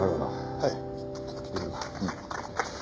はい。